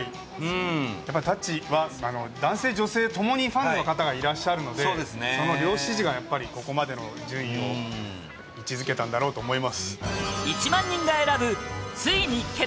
やっぱり『タッチ』は男性、女性ともにファンの方がいらっしゃるのでその両支持が、やっぱりここまでの順位を位置付けたんだろうと思います。